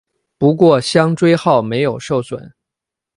不过香椎号没有受损。